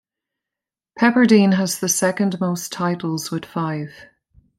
Pepperdine has the second most titles with five.